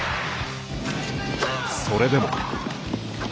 それでも。